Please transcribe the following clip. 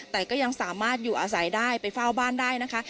แต่ก็ยังสามารถอยู่อาศัยได้ไปเฝ้าบ้านได้นะคะ